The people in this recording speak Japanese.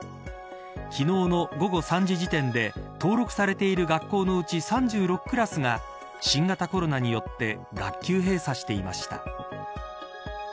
昨日の午後３時時点で登録されている学校のうち３６クラスが新型コロナによって学級閉鎖していました。